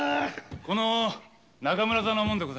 この中村座の者でございます。